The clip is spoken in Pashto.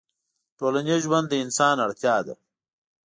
ټولنيز ژوند د انسان اړتيا ده